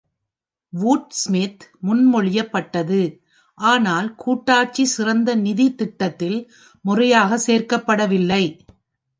வூர்ட்ஸ்மித் முன்மொழியப்பட்டது, ஆனால் கூட்டாட்சி சிறந்த நிதி திட்டத்தில் முறையாக சேர்க்கப்படவில்லை.